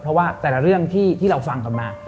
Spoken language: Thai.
เพราะว่าแต่ละเรื่องที่เราฟังกันมา